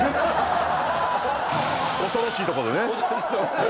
恐ろしいとこでね。